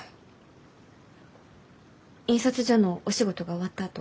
印刷所のお仕事が終わったあと？